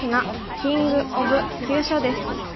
キング・オブ・急所」です。